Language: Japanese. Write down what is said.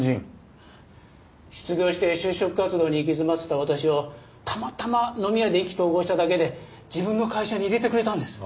失業して就職活動に行き詰まってた私をたまたま飲み屋で意気投合しただけで自分の会社に入れてくれたんです。